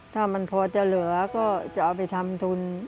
ถ้ามันพอจะเหลือก็จะเอาไปทำทุน